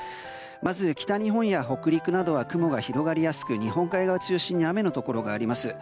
まず北日本や北陸は雲が広がりやすく日本海側を中心に雨のところがあります。